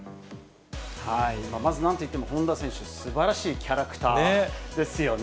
まずなんといっても、本多選手、すばらしいキャラクターですよね。